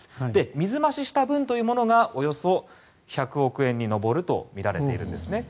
水増しした分というものがおよそ１００億円に上るとみられているんですね。